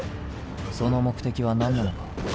その目的は何なのか。